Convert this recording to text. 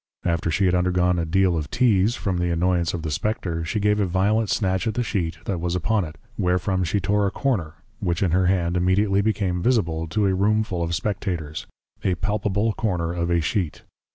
After she had undergone a deal of Teaze, from the Annoyance of the Spectre, she gave a violent snatch at the sheet, that was upon it; wherefrom she tore a corner, which in her hand immediately became Visible to a Roomful of Spectators; a palpable Corner of a Sheet.